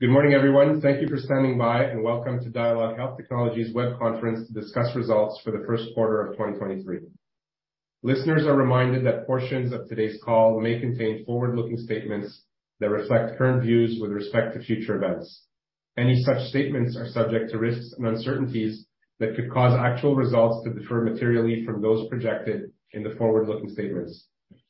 Good morning, everyone. Thank you for standing by. Welcome to Dialogue Health Technologies web conference to discuss results for the first quarter of 2023. Listeners are reminded that portions of today's call may contain forward-looking statements that reflect current views with respect to future events. Any such statements are subject to risks and uncertainties that could cause actual results to differ materially from those projected in the forward-looking statements.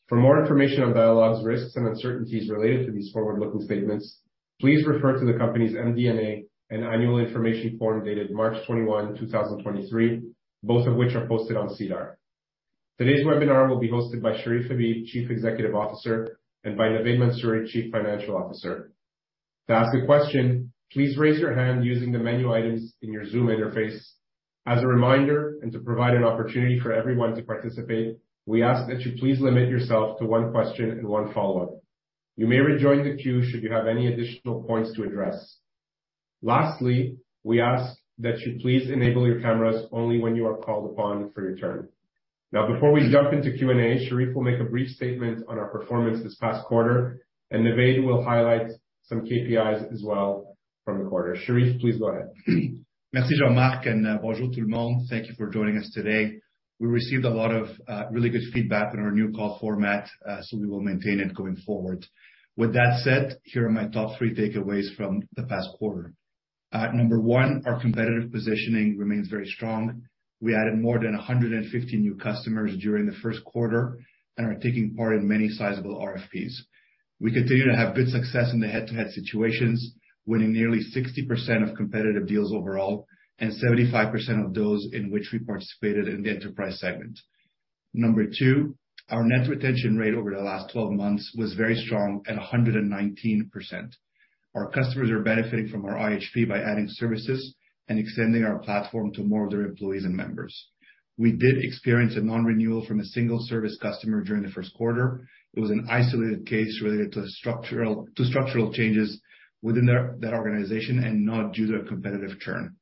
For more information on Dialogue's risks and uncertainties related to these forward-looking statements, please refer to the company's MD&A and annual information form dated 21st March 2023, both of which are posted on SEDAR. Today's webinar will be hosted by Cherif Habib, Chief Executive Officer, and by Navaid Mansuri, Chief Financial Officer. To ask a question, please raise your hand using the menu items in your Zoom interface. As a reminder, and to provide an opportunity for everyone to participate, we ask that you please limit yourself to one question and one follow-up. You may rejoin the queue should you have any additional points to address. Lastly, we ask that you please enable your cameras only when you are called upon for your turn. Before we jump into Q&A, Cherif will make a brief statement on our performance this past quarter, and Navaid will highlight some KPIs as well from the quarter. Cherif, please go ahead. Merci, Jean-Marc, bonjour tout le monde. Thank you for joining us today. We received a lot of really good feedback on our new call format. We will maintain it going forward. With that said, here are my top three takeaways from the past quarter. Number one, our competitive positioning remains very strong. We added more than 150 new customers during the first quarter and are taking part in many sizable RFPs. We continue to have good success in the head-to-head situations, winning nearly 60% of competitive deals overall, and 75% of those in which we participated in the enterprise segment. Number two, our net retention rate over the last 12 months was very strong at 119%. Our customers are benefiting from our IHP by adding services and extending our platform to more of their employees and members. We did experience a non-renewal from a single service customer during the first quarter. It was an isolated case related to structural changes within their organization and not due to a competitive churn.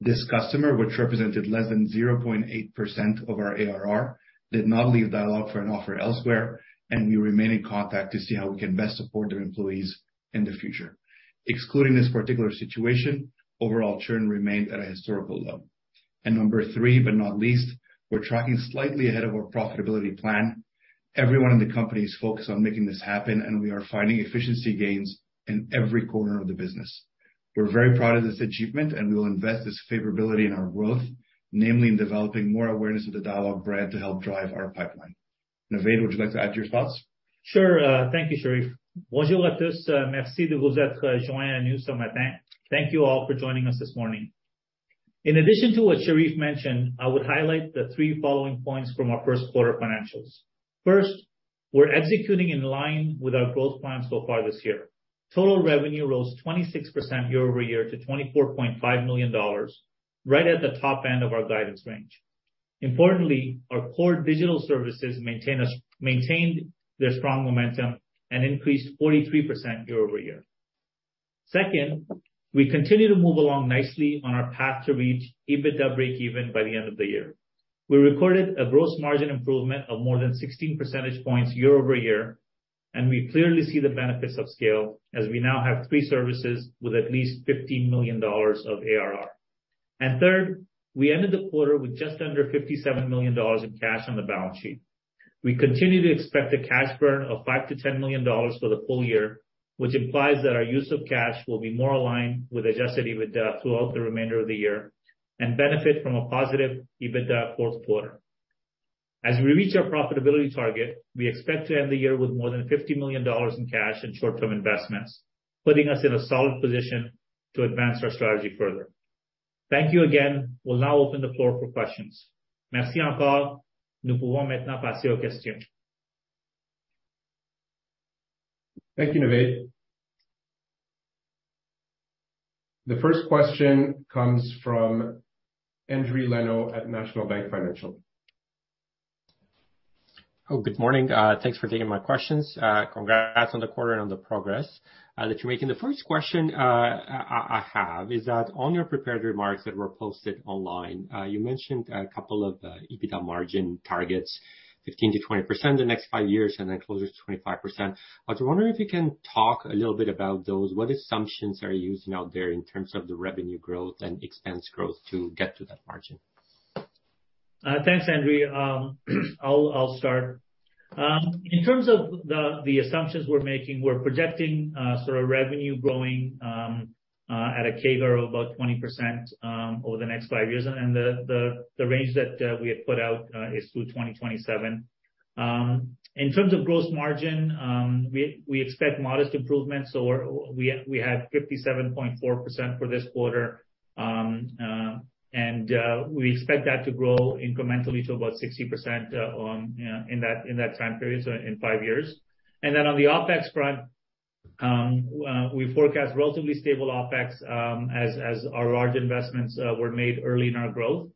This customer, which represented less than 0.8% of our ARR, did not leave Dialogue for an offer elsewhere. We remain in contact to see how we can best support their employees in the future. Excluding this particular situation, overall churn remained at a historical low. Number three, but not least, we're tracking slightly ahead of our profitability plan. Everyone in the company is focused on making this happen. We are finding efficiency gains in every corner of the business. We're very proud of this achievement. We will invest this favorability in our growth, namely in developing more awareness of the Dialogue brand to help drive our pipeline. Navaid, would you like to add your thoughts? Sure. Thank you, Cherif. Bonjour à tous. Merci de vous être joint à nous ce matin. Thank you all for joining us this morning. In addition to what Cherif mentioned, I would highlight the three following points from our first quarter financials. First, we're executing in line with our growth plan so far this year. Total revenue rose 26% year-over-year to 24.5 million dollars, right at the top end of our guidance range. Importantly, our core digital services maintained their strong momentum and increased 43% year-over-year. Second, we continue to move along nicely on our path to reach EBITDA breakeven by the end of the year. We recorded a gross margin improvement of more than 16% points year-over-year. We clearly see the benefits of scale as we now have three services with at least 15 million dollars of ARR. Third, we ended the quarter with just under 57 million dollars in cash on the balance sheet. We continue to expect a cash burn of 5 million-10 million dollars for the full year, which implies that our use of cash will be more aligned with adjusted EBITDA throughout the remainder of the year and benefit from a positive EBITDA fourth quarter. As we reach our profitability target, we expect to end the year with more than 50 million dollars in cash and short-term investments, putting us in a solid position to advance our strategy further. Thank you again. We'll now open the floor for questions. Merci encore. Nous pouvons maintenant passer aux questions. Thank you, Navaid. The first question comes from Andrew Lenot at National Bank Financial. Good morning. Thanks for taking my questions. Congrats on the quarter and on the progress that you're making. The first question I have is that on your prepared remarks that were posted online, you mentioned a couple of EBITDA margin targets, 15%-20% the next five years, and then closer to 25%. I was wondering if you can talk a little bit about those. What assumptions are you using out there in terms of the revenue growth and expense growth to get to that margin? Thanks, Andrew. I'll start. In terms of the assumptions we're making, we're projecting sort of revenue growing at a CAGR of about 20% over the next five years. The range that we had put out is through 2027. In terms of gross margin, we expect modest improvements. We have 57.4% for this quarter. We expect that to grow incrementally to about 60%, you know, in that time period, so in 5 years. On the OpEx front, we forecast relatively stable OpEx as our large investments were made early in our growth.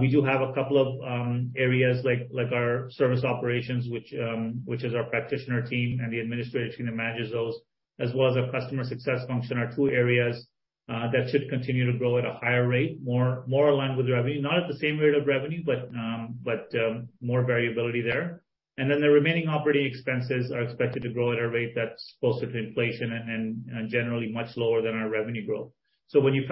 We do have a couple of areas like our service operations, which is our practitioner team and the administrative team that manages those, as well as our customer success function are two areas that should continue to grow at a higher rate, more in line with revenue, not at the same rate of revenue, but more variability there. The remaining operating expenses are expected to grow at a rate that's closer to inflation and generally much lower than our revenue growth. When you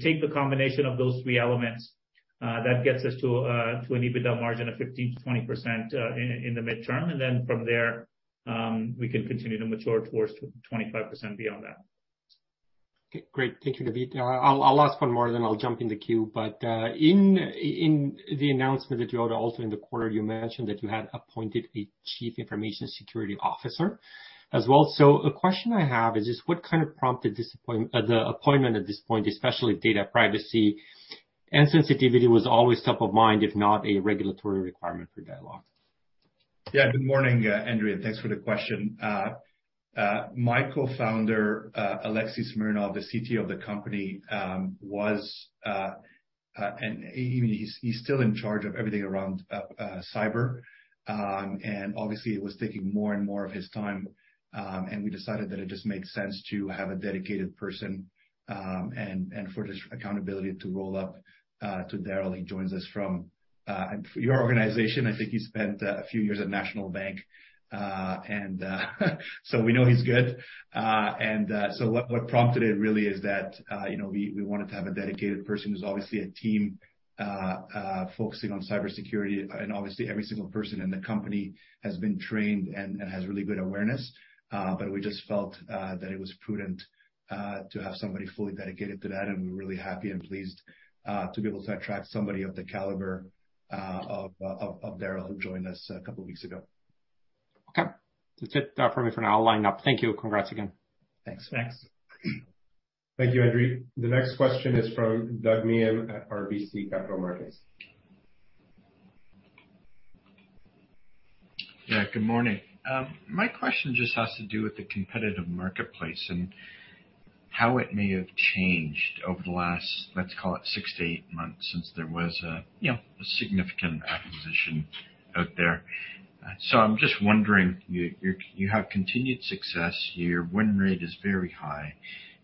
take the combination of those three elements, that gets us to an EBITDA margin of 15%-20% in the midterm. From there, we can continue to mature towards 25% beyond that. Okay, great. Thank you, David. I'll ask one more then I'll jump in the queue. In the announcement that you had also in the quarter, you mentioned that you had appointed a chief information security officer as well. A question I have is just what kind of prompted this the appointment at this point, especially data privacy and sensitivity was always top of mind, if not a regulatory requirement for Dialogue? Yeah. Good morning, Andre. Thanks for the question. My co-founder, Alexis Smirnov, the CTO of the company, was, and he's still in charge of everything around cyber. Obviously it was taking more and more of his time, and we decided that it just makes sense to have a dedicated person, and for this accountability to roll up to Daryl. He joins us from your organization. I think he spent a few years at National Bank. We know he's good. What prompted it really is that, you know, we wanted to have a dedicated person who's obviously a team focusing on cybersecurity. Obviously every single person in the company has been trained and has really good awareness. We just felt that it was prudent to have somebody fully dedicated to that. We're really happy and pleased to be able to attract somebody of the caliber of Daryl, who joined us a couple weeks ago. Okay. That's it, from me for now. I'll line up. Thank you. Congrats again. Thanks. Thanks. Thank you, Andre. The next question is from Doug Miehm at RBC Capital Markets. Good morning. My question just has to do with the competitive marketplace and how it may have changed over the last, let's call it six to eight months since there was a, you know, a significant acquisition out there. I'm just wondering, you have continued success. Your win rate is very high.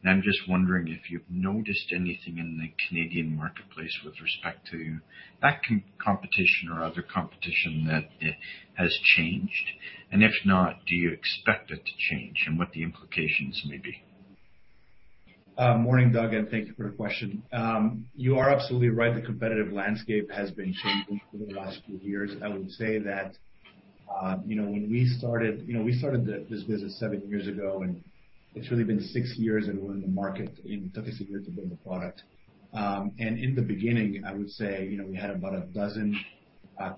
I'm just wondering if you've noticed anything in the Canadian marketplace with respect to that competition or other competition that it has changed? If not, do you expect it to change, and what the implications may be? Morning, Doug. Thank you for the question. You are absolutely right, the competitive landscape has been changing over the last few years. I would say that, you know, when we started, you know, we started this business 7 years ago, and it's really been 6 years that we're in the market. It took us 1 year to build the product. In the beginning, I would say, you know, we had about 12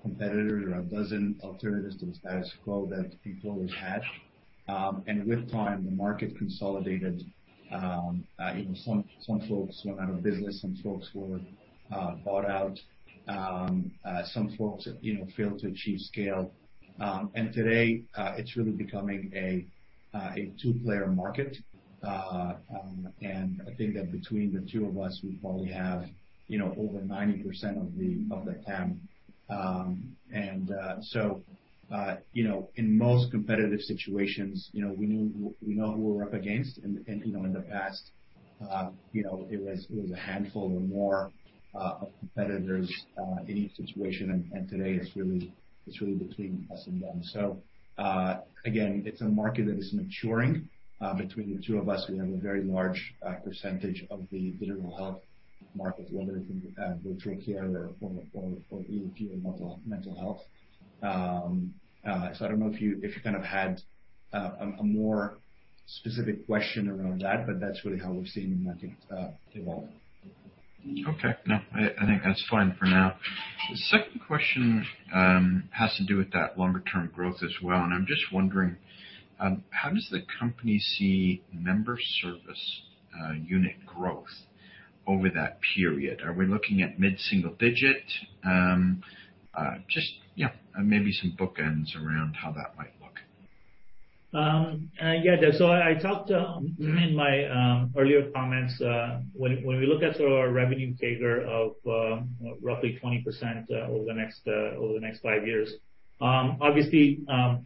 competitors or 12 alternatives to the status quo that employers had. With time, the market consolidated. You know, some folks went out of business, some folks were bought out. Some folks, you know, failed to achieve scale. Today, it's really becoming a two player market. I think that between the two of us, we probably have, you know, over 90% of the, of the TAM. You know, in most competitive situations, you know, we know who we're up against. You know, in the past, you know, it was, it was a handful or more of competitors any situation. Today it's really, it's really between us and them. Again, it's a market that is maturing. Between the two of us, we have a very large percentage of the digital health market, whether it's in virtual care or EAP or mental health. I don't know if you kind of had, a more specific question around that, but that's really how we've seen the market, evolve. Okay. No, I think that's fine for now. The second question has to do with that longer term growth as well. I'm just wondering how does the company see member service unit growth over that period? Are we looking at mid-single digit? Just, you know, maybe some bookends around how that might look. Yeah. I talked in my earlier comments, when we look at sort of our revenue CAGR of roughly 20% over the next over the next five years, obviously,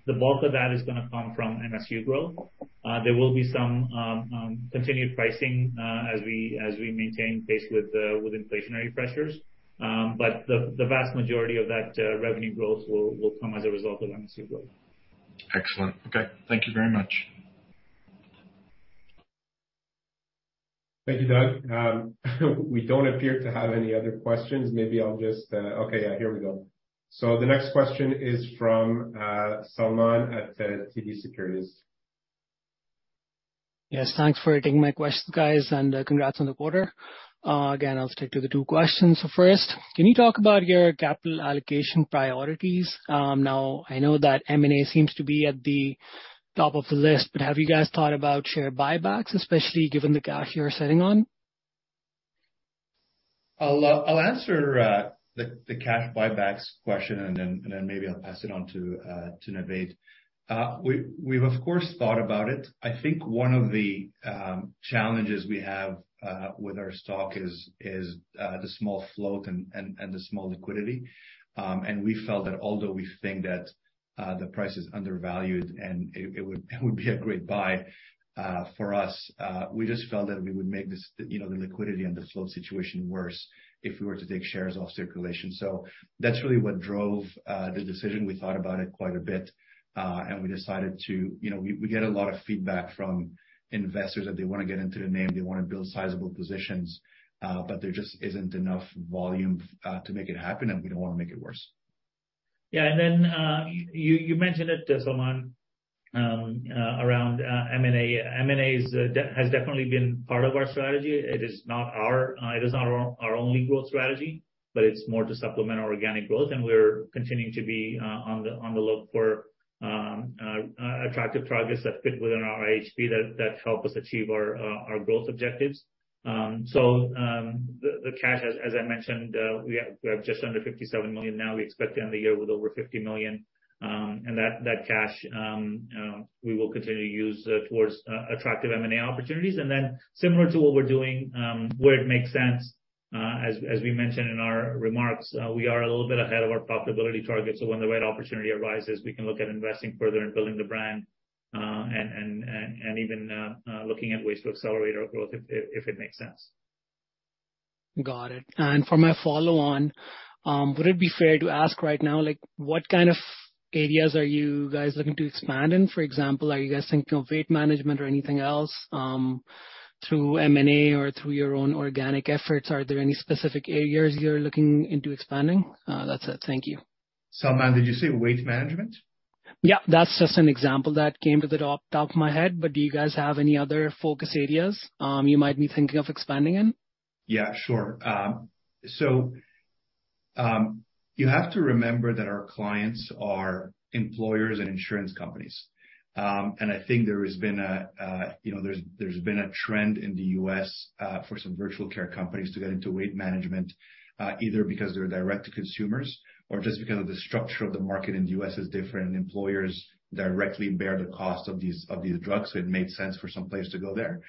the bulk of that is gonna come from MSU growth. There will be some continued pricing as we maintain pace with inflationary pressures. The vast majority of that revenue growth will come as a result of MSU growth. Excellent. Okay. Thank you very much. Thank you, Doug. We don't appear to have any other questions. Maybe I'll just. Okay, yeah, here we go. The next question is from Salman at TD Securities. Yes, thanks for taking my questions, guys, congrats on the quarter. Again, I'll stick to the two questions. First, can you talk about your capital allocation priorities? Now, I know that M&A seems to be at the top of the list, but have you guys thought about share buybacks, especially given the cash you're sitting on? I'll I'll answer the cash buybacks question and then maybe I'll pass it on to Navneet. We've of course thought about it. I think one of the challenges we have with our stock is the small float and the small liquidity. We felt that although we think that the price is undervalued and it would be a great buy for us, we just felt that we would make this, you know, the liquidity and the float situation worse if we were to take shares off circulation. That's really what drove the decision. We thought about it quite a bit, and we decided to. You know, we get a lot of feedback from investors that they wanna get into the name, they wanna build sizable positions, but there just isn't enough volume to make it happen, and we don't wanna make it worse. Yeah. Then you mentioned it, Salman, around M&A. M&A has definitely been part of our strategy. It is not our only growth strategy, but it's more to supplement our organic growth, and we're continuing to be on the look for attractive targets that fit within our IHP that help us achieve our growth objectives. The cash, as I mentioned, we have just under $57 million now. We expect to end the year with over $50 million, and that cash we will continue to use towards attractive M&A opportunities. Similar to what we're doing, where it makes sense, as we mentioned in our remarks, we are a little bit ahead of our profitability targets. When the right opportunity arises, we can look at investing further in building the brand, and even looking at ways to accelerate our growth if it makes sense. Got it. For my follow-on, would it be fair to ask right now, like what kind of areas are you guys looking to expand in? For example, are you guys thinking of weight management or anything else, through M&A or through your own organic efforts? Are there any specific areas you're looking into expanding? That's it. Thank you. Salman, did you say weight management? That's just an example that came to the top of my head. Do you guys have any other focus areas you might be thinking of expanding in? Sure. You have to remember that our clients are employers and insurance companies. I think there has been, you know, there's been a trend in the U.S. for some virtual care companies to get into weight management either because they're direct to consumers or just because of the structure of the market in the U.S. is different. Employers directly bear the cost of these drugs, it made sense for some players to go there.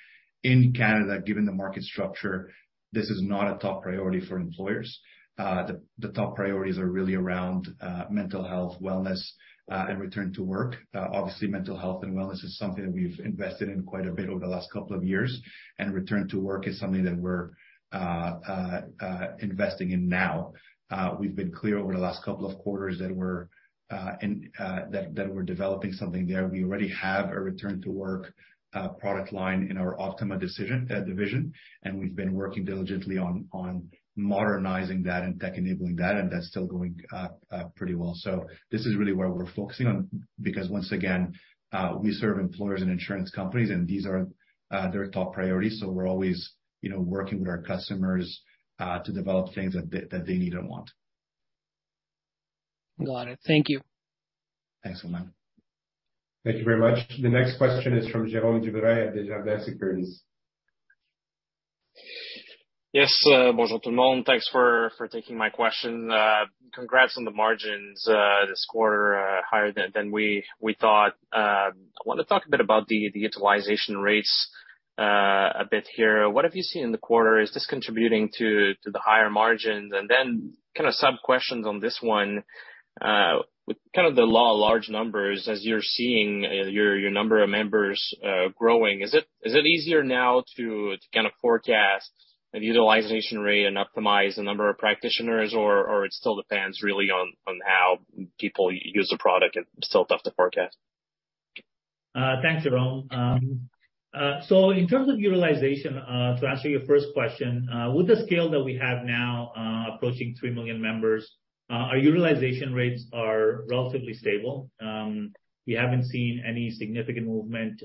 In Canada, given the market structure, this is not a top priority for employers. The top priorities are really around mental health, wellness, and return to work. Obviously, mental health and wellness is something that we've invested in quite a bit over the last couple of years, and return to work is something that we're investing in now. We've been clear over the last couple of quarters that we're in that we're developing something there. We already have a return to work product line in our Optima division, and we've been working diligently on modernizing that and tech enabling that, and that's still going pretty well. This is really where we're focusing on because once again, we serve employers and insurance companies, and these are their top priorities, so we're always, you know, working with our customers to develop things that they need or want. Got it. Thank you. Thanks, Salman. Thank you very much. The next question is from Jerome Dubreuil at Desjardins Securities. Yes. Thanks for taking my question. Congrats on the margins this quarter, higher than we thought. I want to talk a bit about the utilization rates a bit here. What have you seen in the quarter? Is this contributing to the higher margins? And then kind of sub-questions on this one, with kind of the large numbers as you're seeing your number of members growing, is it easier now to kind of forecast the utilization rate and optimize the number of practitioners, or it still depends really on how people use the product and still tough to forecast? Thanks, Jerome. In terms of utilization, to answer your first question, with the scale that we have now, approaching 3 million members, our utilization rates are relatively stable. We haven't seen any significant movement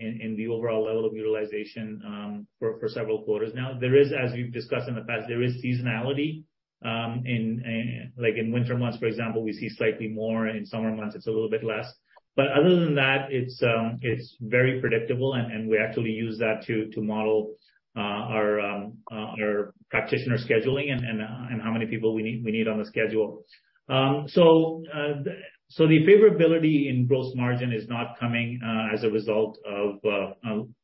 in the overall level of utilization for several quarters now. There is, as we've discussed in the past, there is seasonality in like in winter months, for example, we see slightly more. In summer months it's a little bit less. Other than that, it's very predictable and we actually use that to model our practitioner scheduling and how many people we need on the schedule. The favorability in gross margin is not coming as a result of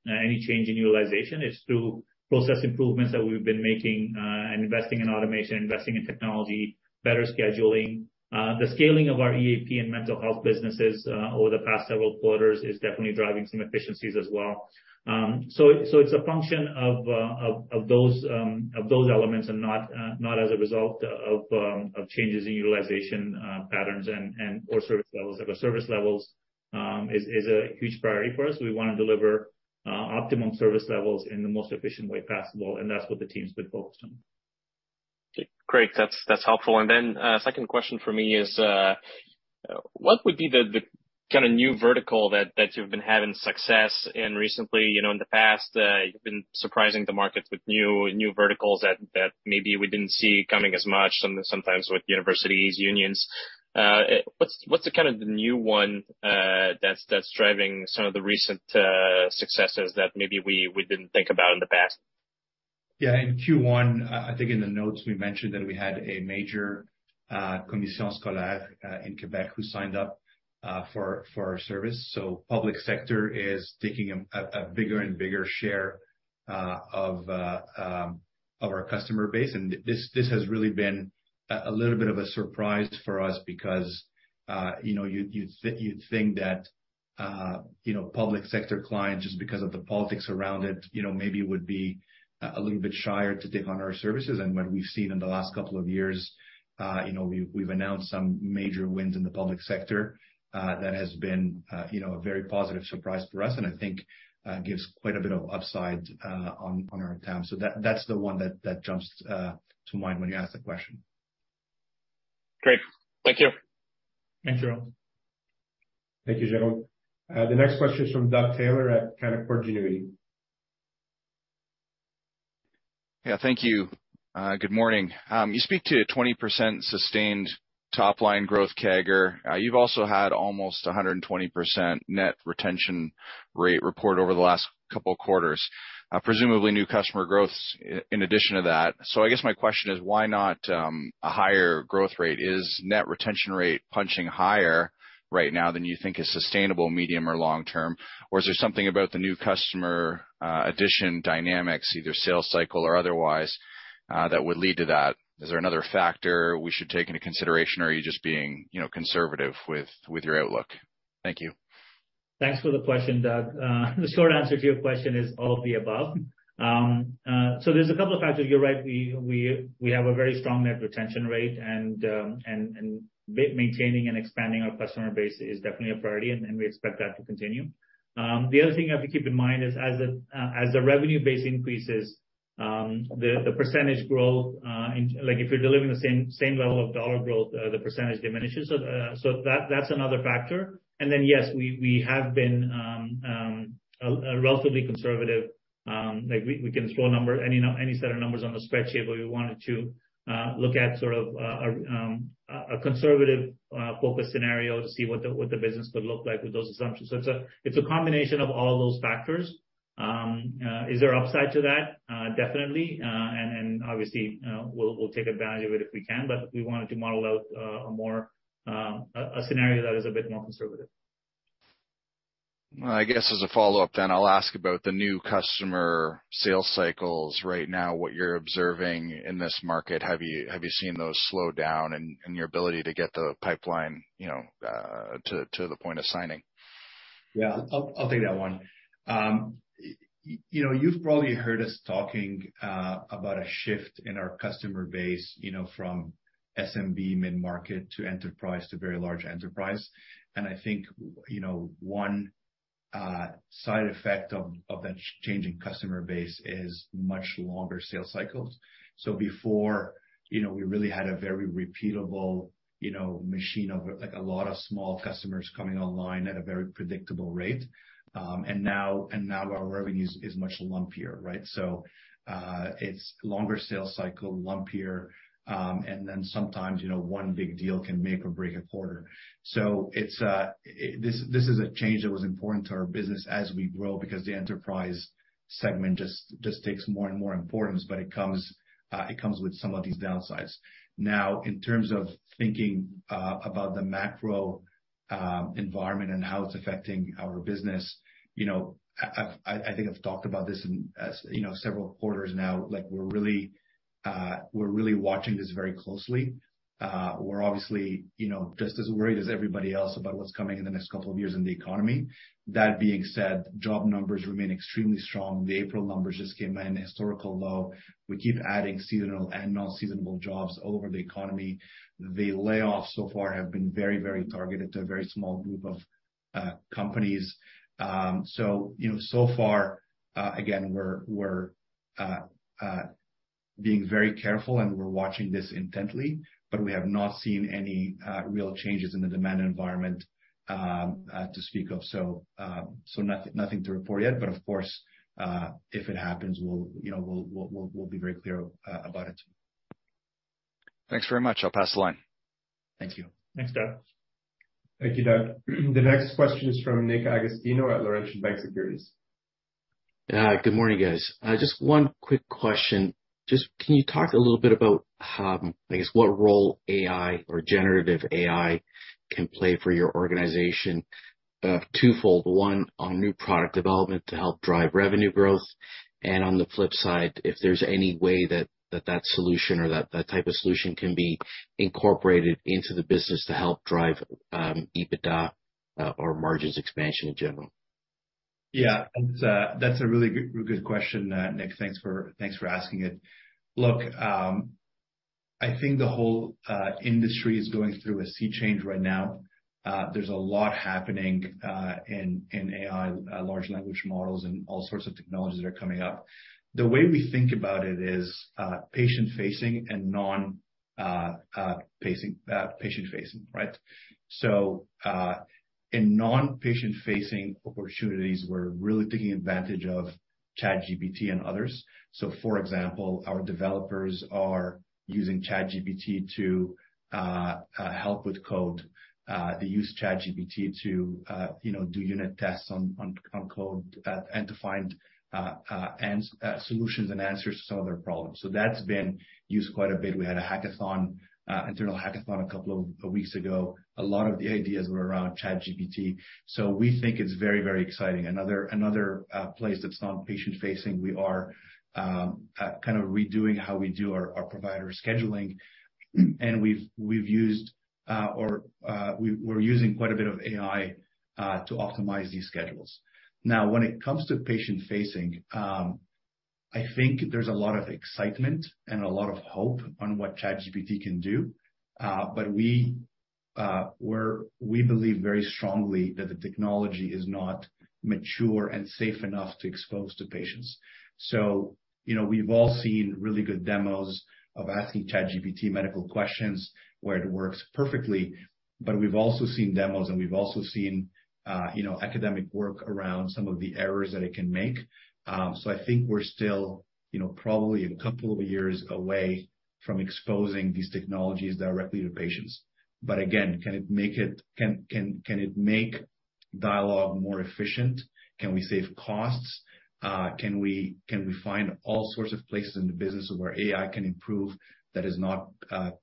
any change in utilization. It's through process improvements that we've been making and investing in automation, investing in technology, better scheduling. The scaling of our EAP and mental health businesses over the past several quarters is definitely driving some efficiencies as well. It's a function of of those of those elements and not as a result of of changes in utilization patterns and/or service levels. Like our service levels is a huge priority for us. We wanna deliver optimum service levels in the most efficient way possible, and that's what the team's been focused on. Great. That's, that's helpful. Then, second question for me is, what would be the kinda new vertical that you've been having success in recently? You know, in the past, you've been surprising the market with new verticals that maybe we didn't see coming as much, sometimes with universities, unions. What's the kind of the new one that's driving some of the recent successes that maybe we didn't think about in the past? In Q1, I think in the notes we mentioned that we had a major commission scolaire in Quebec who signed up for our service. Public sector is taking a bigger and bigger share of our customer base. This has really been a little bit of a surprise for us because, you know, you'd think that, you know, public sector clients just because of the politics around it, you know, maybe would be a little bit shyer to take on our services. What we've seen in the last couple of years, you know, we've announced some major wins in the public sector, that has been, you know, a very positive surprise for us and I think, gives quite a bit of upside on our account. That's the one that jumps to mind when you ask the question. Great. Thank you. Thanks, Jerome. Thank you, Jerome. The next question is from Doug Taylor at Canaccord Genuity. Yeah, thank you. Good morning. You speak to 20% sustained top line growth CAGR. You've also had almost 120% net retention rate report over the last couple quarters. Presumably new customer growth in addition to that. I guess my question is why not a higher growth rate? Is net retention rate punching higher right now than you think is sustainable medium or long term? Or is there something about the new customer addition dynamics, either sales cycle or otherwise, that would lead to that? Is there another factor we should take into consideration or are you just being, you know, conservative with your outlook? Thank you. Thanks for the question, Doug. The short answer to your question is all of the above. There's a couple of factors. You're right, we have a very strong net retention rate and maintaining and expanding our customer base is definitely a priority and we expect that to continue. The other thing you have to keep in mind is as the, as the revenue base increases, the percentage growth, in. Like if you're delivering the same level of dollar growth, the percentage diminishes. That's another factor. Yes, we have been a relatively conservative, like we can throw a number any set of numbers on the spreadsheet, but we wanted to look at sort of our a conservative focus scenario to see what the business would look like with those assumptions. It's a combination of all those factors. Is there upside to that? Definitely. Obviously, we'll take advantage of it if we can, but we wanted to model out a more a scenario that is a bit more conservative. I guess as a follow-up then I'll ask about the new customer sales cycles right now, what you're observing in this market. Have you seen those slow down in your ability to get the pipeline, you know, to the point of signing? Yeah. I'll take that one. You know, you've probably heard us talking about a shift in our customer base, you know, from SMB mid-market to enterprise to very large enterprise. I think, you know, one side effect of that changing customer base is much longer sales cycles. Before, you know, we really had a very repeatable, you know, machine of like a lot of small customers coming online at a very predictable rate. And now our revenues is much lumpier, right? It's longer sales cycle, lumpier, sometimes, you know, one big deal can make or break a quarter. It's this is a change that was important to our business as we grow because the enterprise segment takes more and more importance, but it comes with some of these downsides. In terms of thinking about the macro environment and how it's affecting our business, you know, I think I've talked about this in, you know, several quarters now, like we're really watching this very closely. We're obviously, you know, just as worried as everybody else about what's coming in the next couple of years in the economy. That being said, job numbers remain extremely strong. The April numbers just came in historical low. We keep adding seasonal and non-seasonal jobs all over the economy. The layoffs so far have been very targeted to a very small group of companies. You know, so far, again, we're being very careful and we're watching this intently, but we have not seen any real changes in the demand environment to speak of. Nothing to report yet, but of course, if it happens, we'll, you know, we'll be very clear about it. Thanks very much. I'll pass the line. Thank you. Thanks, Doug. Thank you, Doug. The next question is from Nick Agostino at Laurentian Bank Securities. Good morning, guys. Just one quick question. Just can you talk a little bit about, I guess what role AI or generative AI can play for your organization? Twofold, one, on new product development to help drive revenue growth, and on the flip side, if there's any way that solution or that type of solution can be incorporated into the business to help drive EBITDA or margins expansion in general. Yeah. That's a really good question, Nick. Thanks for asking it. I think the whole industry is going through a sea change right now. There's a lot happening in AI, large language models and all sorts of technologies that are coming up. The way we think about it is patient-facing and non-patient-facing, right? In non-patient facing opportunities, we're really taking advantage of ChatGPT and others. For example, our developers are using ChatGPT to help with code. They use ChatGPT to, you know, do unit tests on code and to find solutions and answers to some of their problems. That's been used quite a bit. We had a hackathon, internal hackathon a couple of weeks ago. A lot of the ideas were around ChatGPT. We think it's very, very exciting. Another place that's not patient-facing, we are kind of redoing how we do our provider scheduling. We've used or we're using quite a bit of AI to optimize these schedules. When it comes to patient-facing, I think there's a lot of excitement and a lot of hope on what ChatGPT can do. But we believe very strongly that the technology is not mature and safe enough to expose to patients. You know, we've all seen really good demos of asking ChatGPT medical questions where it works perfectly, but we've also seen demos, and we've also seen, you know, academic work around some of the errors that it can make. I think we're still, you know, probably a couple of years away from exposing these technologies directly to patients. Can it make Dialogue more efficient? Can we save costs? Can we find all sorts of places in the business where AI can improve that is not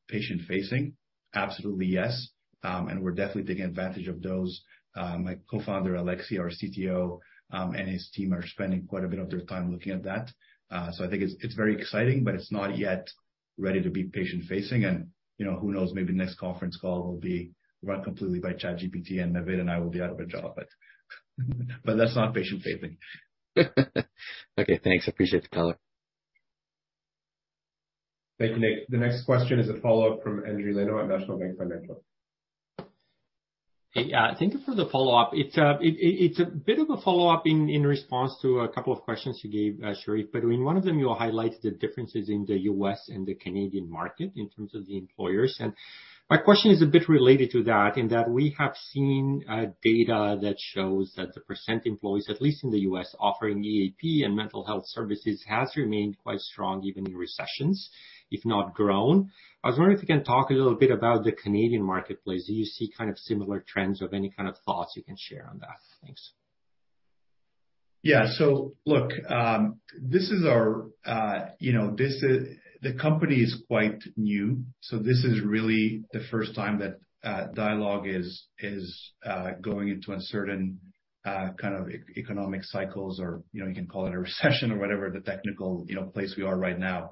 patient-facing? Absolutely, yes. We're definitely taking advantage of those. My co-founder, Alexi, our CTO, and his team are spending quite a bit of their time looking at that. I think it's very exciting, but it's not yet ready to be patient-facing. You know, who knows? Maybe next conference call will be run completely by ChatGPT, and Navid and I will be out of a job. That's not patient-facing. Okay, thanks. Appreciate the color. Thank you, Nick. The next question is a follow-up from Andrew Lenot at National Bank Financial. Hey, thank you for the follow-up. It's, it's a bit of a follow-up in response to two questions you gave Cherif. In one of them, you highlighted the differences in the U.S. and the Canadian market in terms of the employers. My question is a bit related to that, in that we have seen data that shows that the percentage employees, at least in the U.S. offering EAP and mental health services has remained quite strong even in recessions, if not grown. I was wondering if you can talk a little bit about the Canadian marketplace. Do you see kind of similar trends or have any kind of thoughts you can share on that? Thanks. Yeah. Look, this is our, you know, The company is quite new, so this is really the first time that Dialogue is going into uncertain, kind of e-economic cycles or, you know, you can call it a recession or whatever the technical, you know, place we are right now.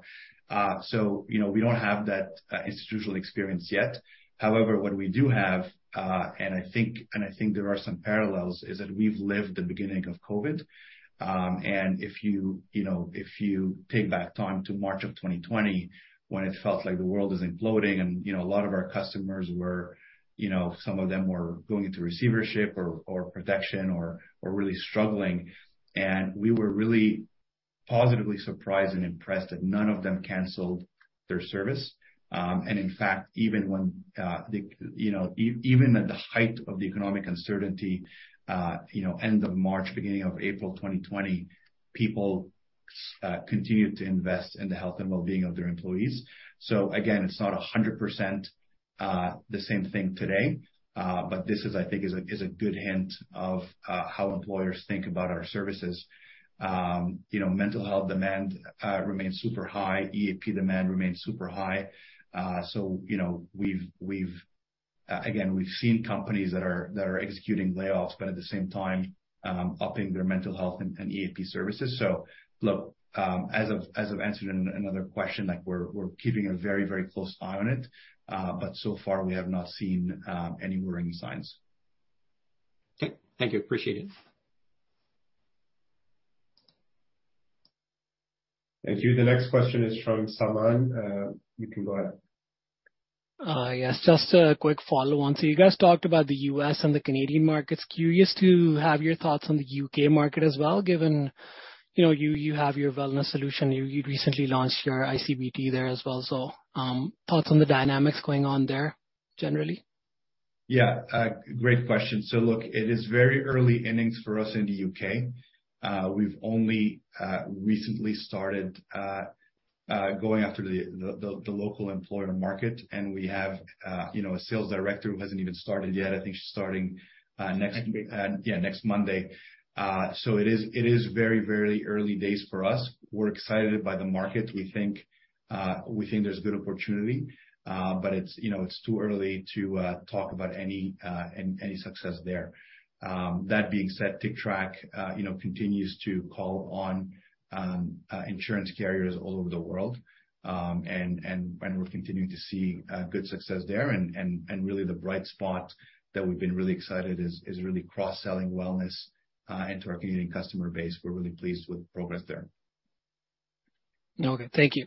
You know, we don't have that institutional experience yet. However, what we do have, and I think, and I think there are some parallels, is that we've lived the beginning of COVID. If you know, if you take back time to March of 2020 when it felt like the world is imploding and, you know, a lot of our customers were, you know, some of them were going into receivership or protection or really struggling. We were really positively surprised and impressed that none of them canceled their service. In fact, even when the, you know, even at the height of the economic uncertainty, end of March, beginning of April 2020, people continued to invest in the health and well-being of their employees. Again, it's not a hundred percent the same thing today, but this is, I think is a good hint of how employers think about our services. You know, mental health demand remains super high. EAP demand remains super high. You know, we've again, we've seen companies that are executing layoffs, but at the same time, upping their mental health and EAP services. Look, as I've answered another question, like we're keeping a very close eye on it, but so far, we have not seen any worrying signs. Okay. Thank you. Appreciate it. Thank you. The next question is from Saman. You can go ahead. Yes, just a quick follow-on. You guys talked about the U.S. and the Canadian markets. Curious to have your thoughts on the U.K. market as well, given, you know, you have your wellness solution, you recently launched your ICBT there as well. Thoughts on the dynamics going on there generally? Yeah. great question. It is very early innings for us in the U.K. We've only recently started going after the local employer market. You know, a sales director who hasn't even started yet. I think she's starting next-. Next week. Yeah, next Monday. It is very, very early days for us. We're excited by the market. We think there's good opportunity, but it's, you know, it's too early to talk about any success there. That being said, Tictrac, you know, continues to call on insurance carriers all over the world. We're continuing to see good success there and really the bright spot that we've been really excited is really cross-selling wellness into our community customer base. We're really pleased with the progress there. Okay. Thank you.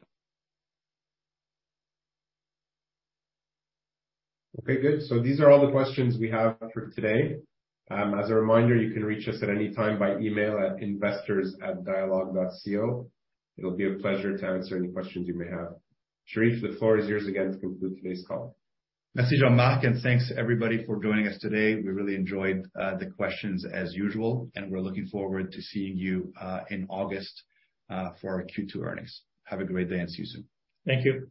Okay, good. These are all the questions we have for today. As a reminder, you can reach us at any time by email at investors@dialogue.co. It'll be a pleasure to answer any questions you may have. Cherif, the floor is yours again to conclude today's call. Merci, Jean-Marc. Thanks everybody for joining us today. We really enjoyed the questions as usual. We're looking forward to seeing you in August for our Q2 earnings. Have a great day and see you soon. Thank you.